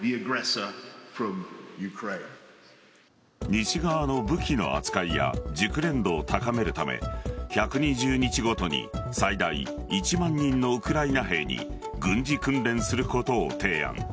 西側の武器の扱いや熟練度を高めるため１２０日ごとに最大１万人のウクライナ兵に軍事訓練することを提案。